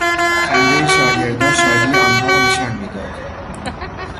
خندهی شاگردان شادی آنها را نشان میداد.